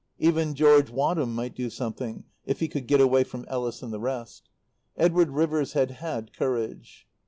Even George Wadham might do something if he could get away from Ellis and the rest. Edward Rivers had had courage.